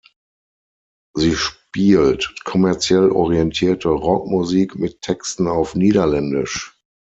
Sie spielt kommerziell orientierte Rockmusik mit Texten auf Niederländisch.